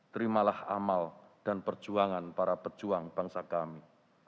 terimalah amal dan perjuangan para pejuang bangsa kami